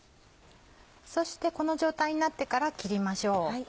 そしてこの状態になってから切りましょう。